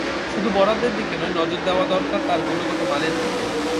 শুধু বরাদ্দের দিকে নয়, নজর দেওয়া দরকার তার গুণগত মানের দিকে।